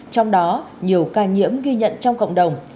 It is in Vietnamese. trong đó nhiều ca nhiễm ghi nhận trong cộng đồng